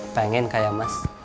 pengen kayak mas